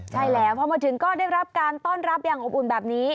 ใช่แล้วพอมาถึงก็ได้รับการต้อนรับอย่างอบอุ่นแบบนี้